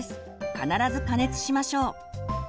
必ず加熱しましょう。